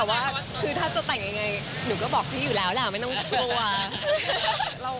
แต่ว่าคือถ้าจะแต่งยังไงหนูก็บอกพี่อยู่แล้วแหละไม่ต้องกลัว